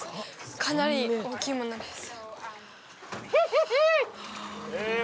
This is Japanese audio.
かなり大きいものです